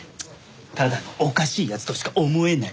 ただのおかしい奴としか思えない。